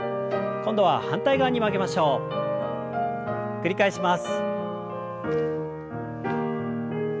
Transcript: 繰り返します。